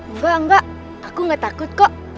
enggak enggak aku nggak takut kok